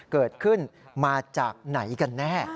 เกิดขึ้นมาจากไหนกันแน่